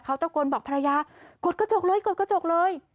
เขาตะโกนบอกภรรยากดกระจกเลยกดกระจกเลย